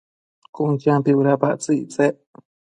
Cun champi bëdapactsëc ictsec